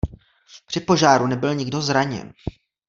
Při požáru nebyl nikdo zraněn.